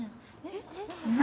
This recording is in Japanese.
何？